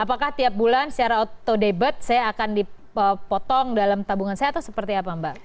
apakah tiap bulan secara auto debit saya akan dipotong dalam tabungan saya atau seperti apa mbak